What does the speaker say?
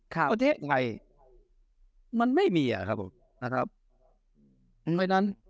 ประเทศไหนมันไม่มีอ่ะครับผมนะครับอืมไปนั้น